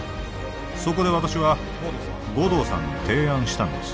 そこで私は護道さんに提案したんです